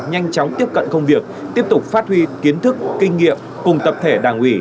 nhanh chóng tiếp cận công việc tiếp tục phát huy kiến thức kinh nghiệm cùng tập thể đảng ủy